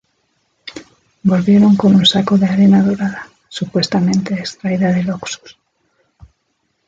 Volvieron con un saco de arena dorada, supuestamente extraída del Oxus.